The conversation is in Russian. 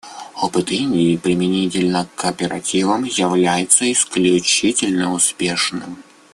Опыт Индии применительно к кооперативам является исключительно успешным.